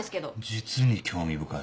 実に興味深い。